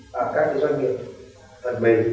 đây là cái thời gian lương bao giờ hết